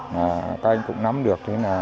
các anh cũng nắm được